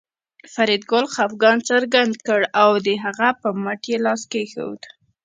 فریدګل خپګان څرګند کړ او د هغه په مټ یې لاس کېښود